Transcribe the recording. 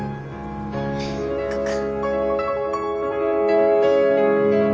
行こうか。